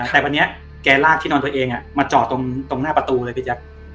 แต่วันนี้แกลากที่นอนตัวเองมาจอดตรงหน้าประตูเลยพี่แจ๊ค